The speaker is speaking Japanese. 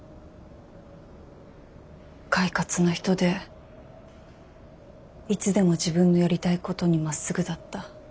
快活な人でいつでも自分のやりたいことにまっすぐだった。